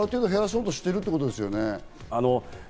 減らそうとしてるってことですよね。